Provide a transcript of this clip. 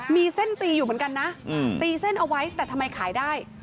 มีเส้นตีอยู่เหมือนกันนะตีเส้นเอาไว้แต่ทำไมขายได้